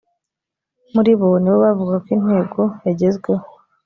muri bo ni bo bavugaga ko intego yagezweho